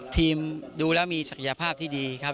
ดูแล้วมีศักยภาพที่ดีครับ